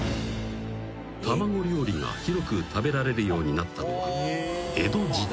［卵料理が広く食べられるようになったのは］